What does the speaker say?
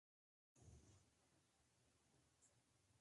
Tambourine Man" de Dylan y el tema de Pete Seeger "Turn, Turn, Turn".